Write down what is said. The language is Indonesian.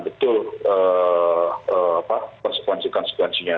dan betul konsekuensi konsekuensinya